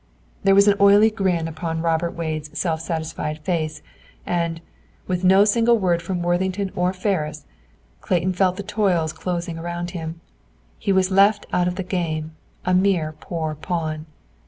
There was an oily grin upon Robert Wade's self satisfied face, and, with no single word from Worthington or Ferris, Clayton felt the toils closing around him. He was left out of the game a mere poor pawn.